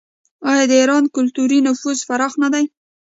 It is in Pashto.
آیا د ایران کلتوري نفوذ پراخ نه دی؟